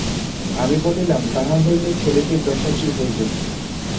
আমি বলিলাম, তাহা হইলে ছেলেটির দশা কী হইবে।